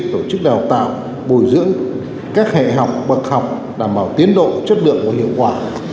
tổ chức đào tạo bồi dưỡng các hệ học bậc học đảm bảo tiến độ chất lượng và hiệu quả